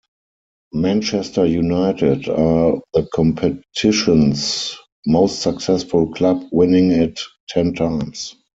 Manchester United are the competition's most successful club, winning it ten times.